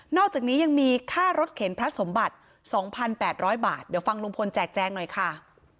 อกจากนี้ยังมีค่ารถเข็นพระสมบัติ๒๘๐๐บาทเดี๋ยวฟังลุงพลแจกแจงหน่อยค่ะ